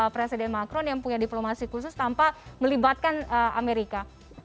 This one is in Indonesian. presiden macron yang punya diplomasi khusus tanpa melibatkan amerika